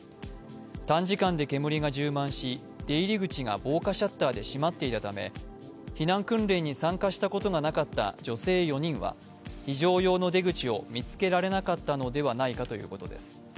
短時間で煙が充満し、出入り口が防火シャッターで閉まっていたため避難訓練に参加したことがなかった女性４人は非常用の出口を見つけられなかったのではないかということです。